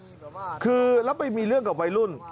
เป็นคนซ้อนน่ะอื้อหือนี่คือแล้วไปมีเรื่องกับวัยรุ่น